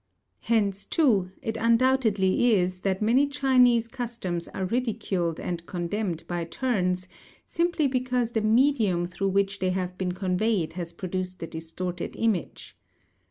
Hence, too, it undoubtedly is that many Chinese customs are ridiculed and condemned by turns, simply because the medium through which they have been conveyed has produced a distorted image.